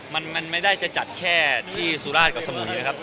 มันไม่ได้จะจัดแค่ที่สุราชกับสมุยนะครับ